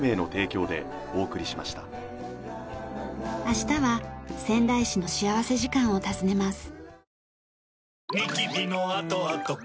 明日は仙台市の幸福時間を訪ねます。